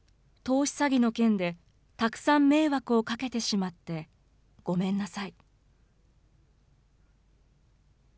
投資詐欺の件で、たくさん迷惑をかけてしまってごめんなさい。